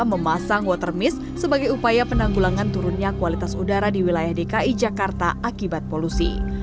memasang water miss sebagai upaya penanggulangan turunnya kualitas udara di wilayah dki jakarta akibat polusi